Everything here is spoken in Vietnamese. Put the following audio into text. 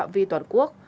vì toàn quốc